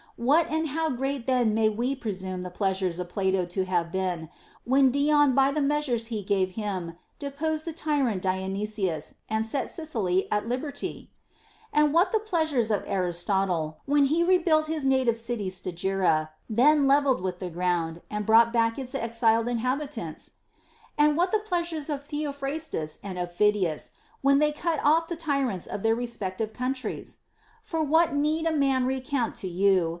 What and how great then may Ave pre sume the pleasures of Plato to have been, when Dion by the measures he gave him deposed the tyrant Dionysius and set Sicily at liberty \ And what the pleasures of Aristotle, when he rebuilt his native city Stagira, then levelled with the ground, and brought back its exiled in• ACCORDING TO EPICURUS. 181 habitants ? And what the pleasures of Theophrastus and of Phidias, when they cut off the tyrants of their respec tive countries ? For what need a man recount to you.